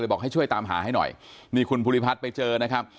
บอกให้ช่วยตามหาให้หน่อยนี่คุณภูริพัฒน์ไปเจอนะครับ